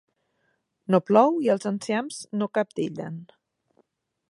No plou i els enciams no cabdellen.